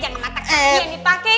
jangan mata kaki yang dipakai